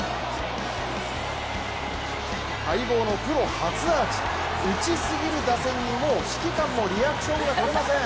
待望のプロ初アーチ打ちすぎる打線にもう、指揮官もリアクションがとれません。